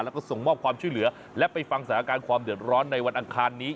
แล้วก็ส่งมอบความช่วยเหลือและไปฟังสถานการณ์ความเดือดร้อนในวันอังคารนี้